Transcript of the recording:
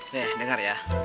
nih denger ya